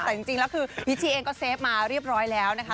แต่จริงแล้วคือพิชชี่เองก็เซฟมาเรียบร้อยแล้วนะคะ